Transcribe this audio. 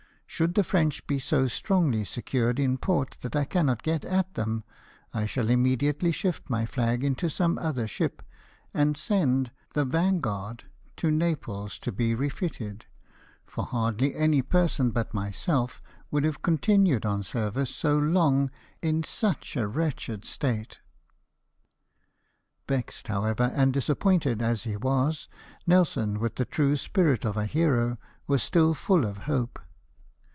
Should the French be so strongly secured m port that I cannot get at them, I shall immediately shift my flag into some other ship, and send the Vanguard to Naples to be refitted, for hardly any person but myself would have continued on service so long in such a wretched state." Vexed, however, and disappointed as he was. Nelson, with the true spirit of a hero, was still full of hope.